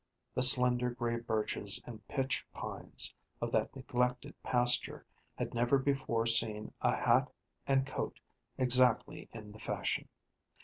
The slender gray birches and pitch pines of that neglected pasture had never before seen a hat and coat exactly in the fashion.